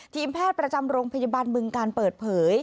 ทีมแพทย์ประจำโรงพยาบาลบึงการเปิดเผย